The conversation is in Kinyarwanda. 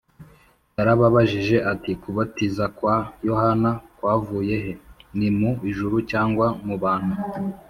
yarababajije ati: ‘kubatiza kwa yohana kwavuye he, ni mu ijuru cyangwa mu bantu?’